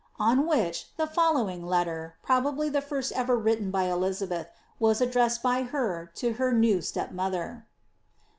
"' On which, the following letter, probably the first ever written by Elizabeth, was addressed by her to her new step mother.